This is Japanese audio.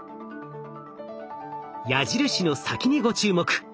矢印の先にご注目。